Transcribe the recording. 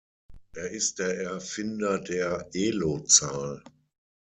Er ist der Erfinder der Elo-Zahl.